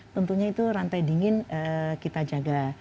tentunya itu rantai dingin kita jaga